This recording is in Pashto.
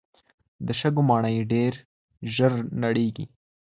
د شګو ماڼۍ ډېر ژر نړېږي.